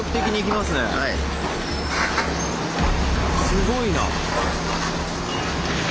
すごいな！